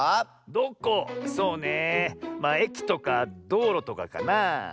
そうねええきとかどうろとかかなあ。